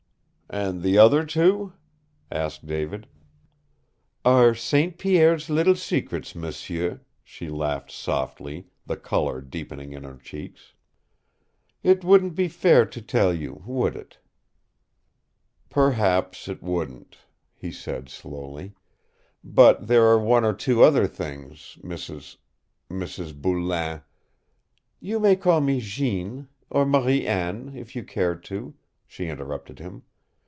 "And the other two?" asked David. "Are St. Pierre's little secrets, m'sieu," she laughed softly, the color deepening in her cheeks. "It wouldn't be fair to tell you, would it?" "Perhaps it wouldn't," he said slowly. "But there are one or two other things, Mrs. Mrs. Boulain " "You may call me Jeanne, or Marie Anne, if you care to," she interrupted him.